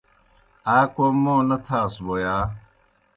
آ کوْم موں نہ تھاس بوْ یا؟